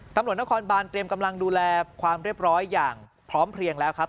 ตำรวจนครบานเตรียมกำลังดูแลความเรียบร้อยอย่างพร้อมเพลียงแล้วครับ